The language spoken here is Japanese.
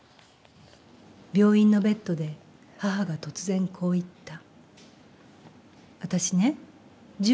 病院のベッドで母が突然こう言った。